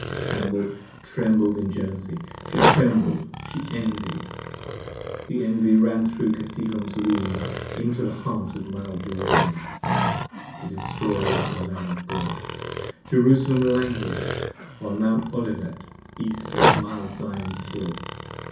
Cambel trembled with jealousy: she trembled! she envied! The envy ran thro' Cathedron's Looms into the Heart Of mild Jerusalem, to destroy the Lamb of God. Jerusalem Languish'd upon Mount Olivet, East of mild Zion's Hill.